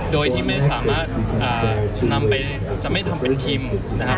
โดยที่ไม่สามารถนำไปจะไม่ทำเป็นทีมนะครับ